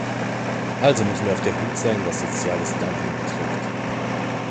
Also müssen wir auf der Hut sein, was soziales Dumping betrifft.